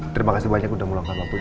terima kasih banyak udah ngulangkan waktu